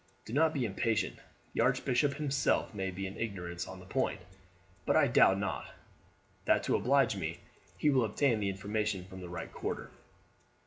Do not be impatient, the archbishop himself may be in ignorance on the point; but I doubt not, that to oblige me, he will obtain the information from the right quarter.